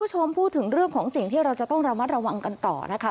คุณผู้ชมพูดถึงเรื่องของสิ่งที่เราจะต้องระมัดระวังกันต่อนะคะ